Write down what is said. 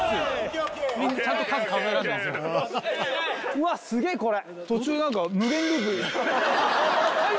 うわすげぇこれ。